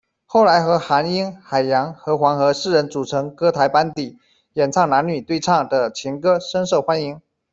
后来和韩瑛、海洋和黄河四人组成歌台班底，演唱男女对唱的情歌，深受欢迎。